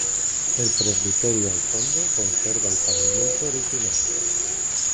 El presbiterio al fondo, conserva el pavimento original.